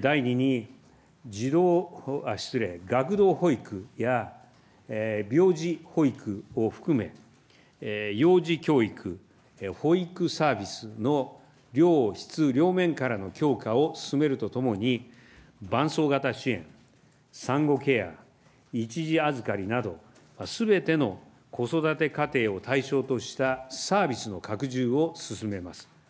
第２に、児童、失礼、学童保育や病児保育を含め、幼児教育、保育サービスの量、質両面からの強化を進めるとともに、伴走型支援、産後ケア、一時預かりなど、すべての子育て家庭を対象としたサービスの拡充を進めます。